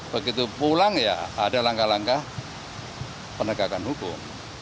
begitu pulang ya ada langkah langkah penegakan hukum